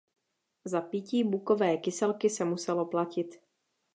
Za pití „Bukové kyselky“ se muselo platit.